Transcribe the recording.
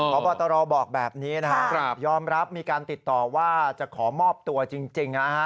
พบตรบอกแบบนี้นะครับยอมรับมีการติดต่อว่าจะขอมอบตัวจริงนะฮะ